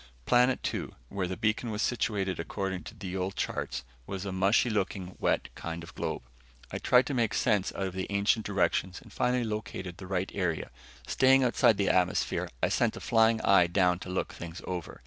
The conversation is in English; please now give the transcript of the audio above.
Planet two, where the beacon was situated according to the old charts, was a mushy looking, wet kind of globe. I tried to make sense out of the ancient directions and finally located the right area. Staying outside the atmosphere, I sent a flying eye down to look things over.